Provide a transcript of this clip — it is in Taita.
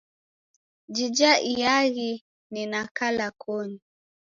Jija iaghi ni na kala koni.